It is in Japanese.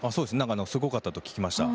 すごかったと聞きました。